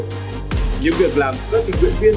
những việc làm các tình nguyện viên